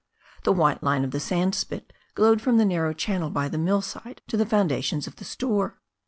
The white line of the sandspit glowed from the narrow channel by the mill side to the foundations of the store.